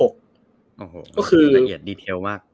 ก็คือละเอียดดีเทลมาก